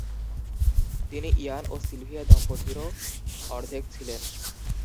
তিনি ইয়ান ও সিলভিয়া দম্পতিরও অর্ধেক ছিলেন।